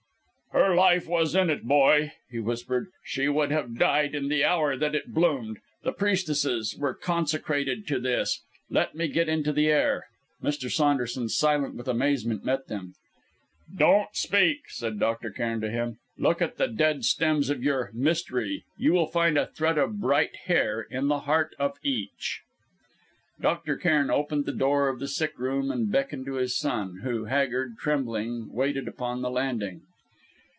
"Her life was in it, boy!" he whispered. "She would have died in the hour that it bloomed! The priestesses were consecrated to this.... Let me get into the air " Mr. Saunderson, silent with amazement, met them. "Don't speak," said Dr. Cairn to him. "Look at the dead stems of your 'Mystery.' You will find a thread of bright hair in the heart of each!..." Dr. Cairn opened the door of the sick room and beckoned to his son, who, haggard, trembling, waited upon the landing.